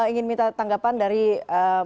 ingin minta tanggapan dari ee